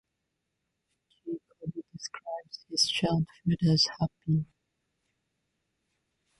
Jacobi describes his childhood as happy.